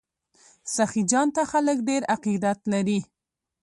سخي جان ته خلک ډیر عقیدت لري.